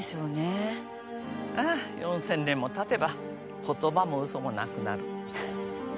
４０００年も経てば言葉も嘘もなくなる。